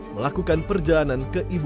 melakukan perjalanan ke ibu